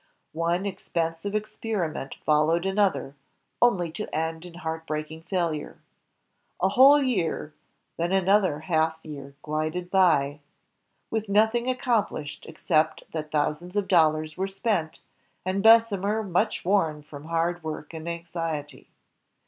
One expensive experiment followed another, only to end in heartbreaking failure. A whole year, then another half year ghded by, with nothing accomplished except that thousands of dollars were spent, and Bessemer was much worn from hard work and anxiety.